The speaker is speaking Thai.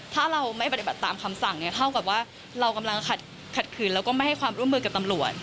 ถ้าเราไม่ปฏิบัติตามคำสั่งเนี่ยเท่ากับว่าเรากำลังขัดขืนแล้วก็ไม่ให้ความร่วมมือกับตำรวจ